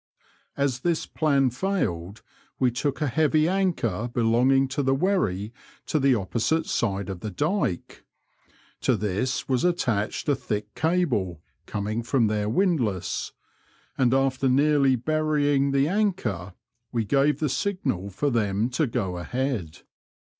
As this plan failed, we took a heavy anchor belonging to the wherry to the opposite side of the dyke ; to this was attached a thick cable coming from their windlass, and after nearly burying the anchor, we gave the signal for them to go ahead.